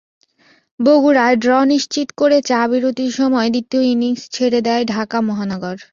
বগুড়ায় ড্র নিশ্চিত করে চা-বিরতির সময় দ্বিতীয় ইনিংস ছেড়ে দেয় ঢাকা মহানগর।